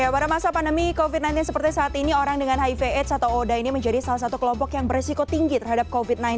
pada masa pandemi covid sembilan belas seperti saat ini orang dengan hiv aids atau oda ini menjadi salah satu kelompok yang beresiko tinggi terhadap covid sembilan belas